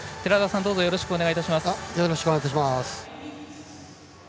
よろしくお願いします。